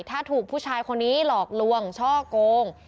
ถ้าถูกผู้ชายคนนี้หลอกลวงช่อโกง